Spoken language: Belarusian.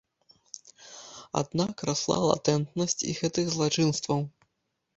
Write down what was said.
Аднак расла латэнтнасць і гэтых злачынстваў.